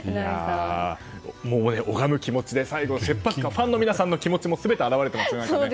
もうね、拝む気持ちで最後、ファンの皆さんの気持ちも全て表れてますよね。